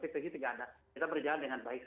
kita berjalan dengan baik sama sama